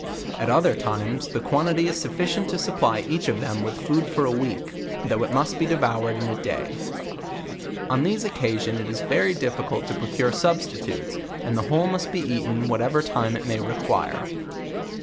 At other times the quantity is sufficient to supply each of them with food for a week, though it must be devoured in a day. On these occasion it is very difficult to procure sub stitutes, and the whole must be eaten whatever time it may require.